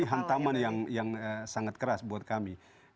hantaman yang sangat keras buat kami